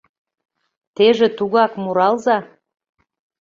Теже тугак муралза.